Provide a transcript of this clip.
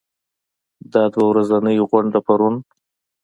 دا دوه ورځنۍ غونډه پرون